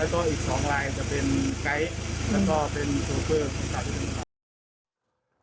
แล้วก็อีก๒ลายจะเป็นไกท์แล้วก็เป็นโซเฟอร์